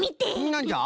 なんじゃ？